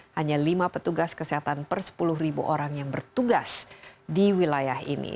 hanya lima petugas kesehatan per sepuluh ribu orang yang bertugas di wilayah ini